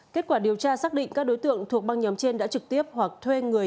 kết quả điều tra xác định các đối tượng thuộc băng nhóm trên đã trực tiếp hoặc thuê người